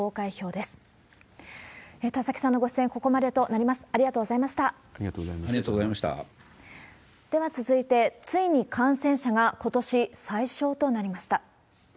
では続いて、ついに感染者がことし、最少となりました。